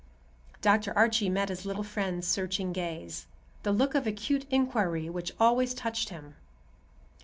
Dr. Archie met his little friend's searching gaze, the look of acute inquiry which always touched him.